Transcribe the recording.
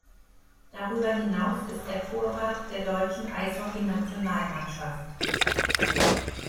Darüber hinaus ist er Torwart der deutschen Eishockeynationalmannschaft.